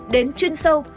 đến chuyên sâu